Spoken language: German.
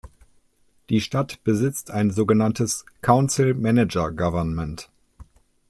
Die Stadt besitzt ein sogenanntes "Council Manager Government".